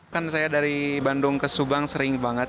kan saya dari bandung ke subang sering banget